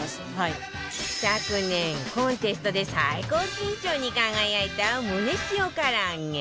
昨年コンテストで最高金賞に輝いたむね塩唐揚げ